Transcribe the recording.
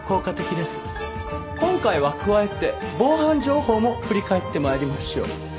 今回は加えて防犯情報も振り返って参りましょう。